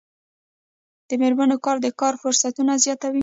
د میرمنو کار د کار فرصتونه زیاتوي.